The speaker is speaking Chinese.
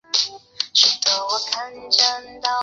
公司生产的产品